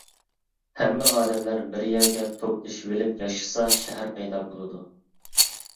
ھەممە ئادەملەر بىر يەرگە توپلىشىۋېلىپ ياشىسا شەھەر پەيدا بولىدۇ.